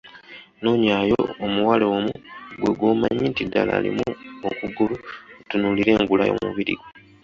Noonyaayo omuwala omu ggwe gw'omanyi nti ddala alimu okugulu otunuulire enkula y'omubiri gwe.